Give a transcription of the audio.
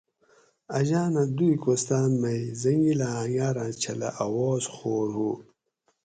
اجاۤنہ دُوئ کوستاۤن مئ زنگیلاۤں انگاۤراۤں چھلہ اواز خور ہُو